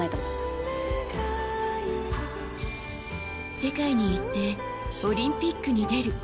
世界にいってオリンピックに出る。